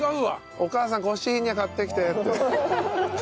「お母さんコシーニャ買ってきて」って。